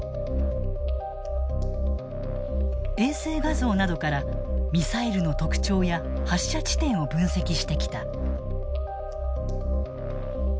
衛星画像などからミサイルの特徴や発射地点を分析してきた。